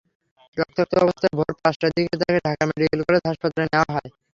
রক্তাক্ত অবস্থায় ভোর পাঁচটার দিকে তাঁকে ঢাকা মেডিকেল কলেজ হাসপাতালে নেওয়া হয়।